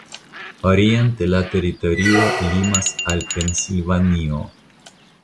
Oriente la teritorio limas al Pensilvanio.